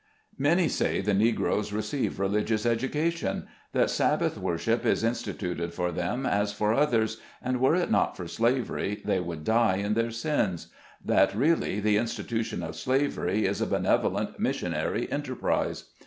ANY say the Negroes receive religious edu cation — that Sabbath worship is instituted for them as for others, and were it not for slavery, they would die in their sins — that really, the institution of slavery is a benevolent missionary enterprise.